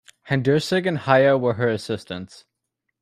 Hendursag and Haia were her assistants.